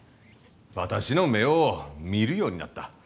私の目を見るようになった。